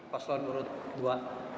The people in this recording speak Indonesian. pasangan menurut dua